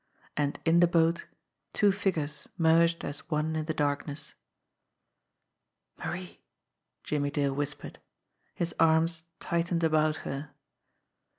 And in the boat two figures merged as one in the darkness. "Marie!" Jimmie Dale whispered. His arms tightened about her.